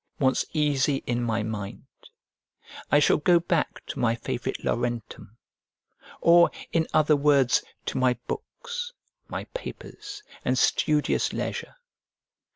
Once easy in my mind, I shall go back to my favourite Laurentum, or, in other words, to my books, my papers and studious leisure.